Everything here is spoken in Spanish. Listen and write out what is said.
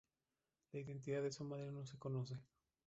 La identidad de su madre no se conoce.